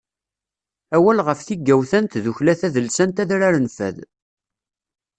Awal ɣef tigawt-a n tdukkla tadelsant Adrar n Fad.